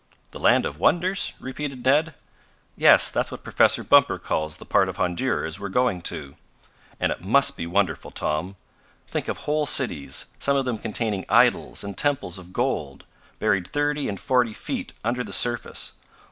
"The land of wonders?" repeated Ned. "Yes, that's what Professor Bumper calls the part of Honduras we're going to. And it must be wonderful, Tom. Think of whole cities, some of them containing idols and temples of gold, buried thirty and forty feet under the surface!